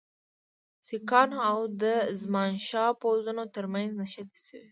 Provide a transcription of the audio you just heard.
سیکهانو او د زمانشاه پوځونو ترمنځ نښتې سوي.